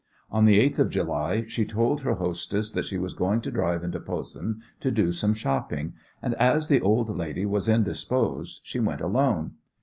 On the eighth of July she told her hostess that she was going to drive into Posen to do some shopping, and as the old lady was indisposed she went alone.